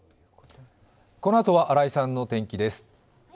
このあとは新井さんの天気です。